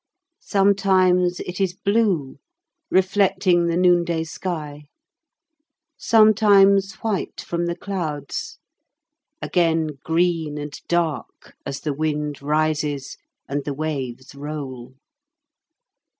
Sometimes it is blue, reflecting the noonday sky; sometimes white from the clouds; again green and dark as the wind rises and the waves roll.